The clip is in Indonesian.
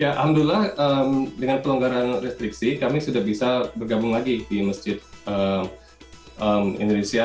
ya alhamdulillah dengan pelonggaran restriksi kami sudah bisa bergabung lagi di masjid indonesia